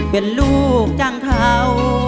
เป็นลูกจังเขา